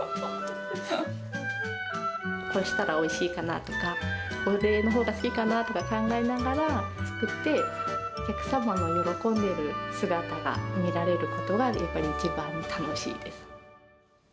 こうしたらおいしいかなとか、これのほうが好きかなとか考えながら作って、お客様の喜んでる姿が見られることが、やっぱり一番楽しいです。